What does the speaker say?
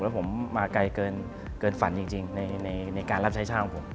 แล้วผมมาไกลเกินฝันจริงในการรับใช้ชาติของผม